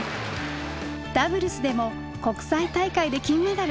ダブルスでも国際大会で金メダル。